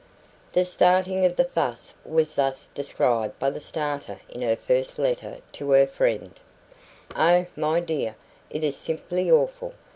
The starting of the fuss was thus described by the starter in her first letter to her friend: "Oh, my dear, it is simply awful!